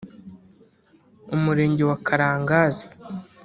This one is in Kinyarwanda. Umurenge wa Karangazi